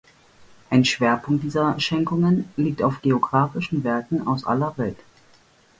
Ein Schwerpunkt dieser Schenkungen liegt auf geographischen Werken aus aller Welt.